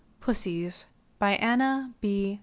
PUSSIES. BY ANNA B.